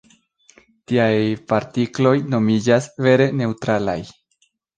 Tiaj partikloj nomiĝas "vere neŭtralaj".